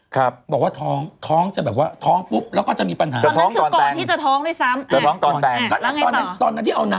กับอื่นตัวโน่เนาะ